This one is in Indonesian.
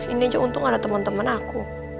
ini aja untung ada temen temen aku